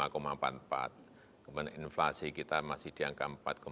kemudian inflasi kita masih di angka empat lima